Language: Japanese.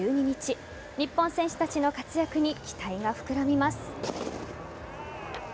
日本選手たちの活躍に期待が膨らみます。